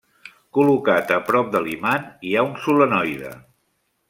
Col·locat a prop de l'imant hi ha un solenoide.